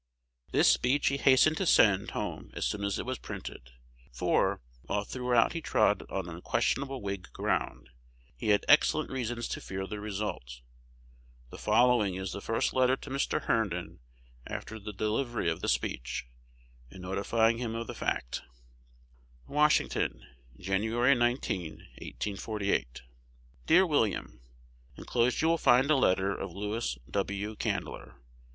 This speech he hastened to send home as soon as it was printed; for, while throughout he trod on unquestionable Whig ground, he had excellent reasons to fear the result. The following is the first letter to Mr. Herndon after the delivery of the speech, and notifying him of the fact: Washington, Jan. 19, 1848. Dear William, Enclosed you find a letter of Louis W. Candler.